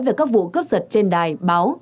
về các vụ cướp giật trên đài báo